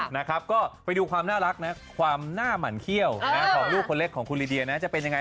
นะครับก็ไปดูความน่ารักนะความหน้าหมั่นเขี้ยวของลูกคนเล็กของคุณลีเดียนะจะเป็นยังไง